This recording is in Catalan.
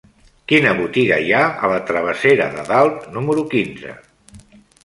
Quina botiga hi ha a la travessera de Dalt número quinze?